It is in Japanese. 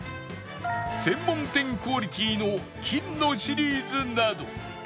専門店クオリティーの金のシリーズなど